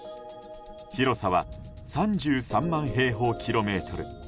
広さは３３万平方キロメートル。